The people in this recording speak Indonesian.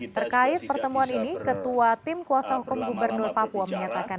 terkait pertemuan ini ketua tim kuasa hukum gubernur papua menyatakan